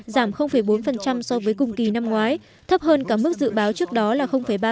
giảm bốn so với cùng kỳ năm ngoái thấp hơn cả mức dự báo trước đó là ba